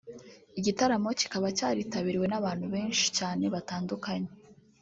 Igitaramo kikaba cyaritabiriwe n’abantu benshi cyane batandukanye